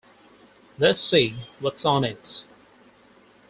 Let's see what's on it.